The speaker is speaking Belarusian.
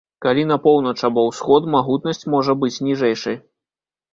Калі на поўнач або ўсход, магутнасць можа быць ніжэйшай.